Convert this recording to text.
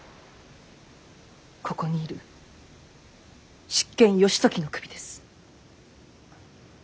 ここにいる執権義時の首です。